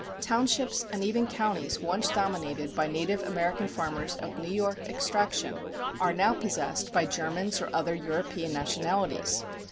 Townships and even counties once dominated by the native American farmers of New York extraction are now possessed by Germans or other European nationalities.